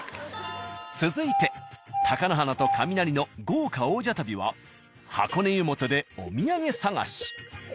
続いて貴乃花とカミナリの豪華王者旅は箱根湯本でお土産探し。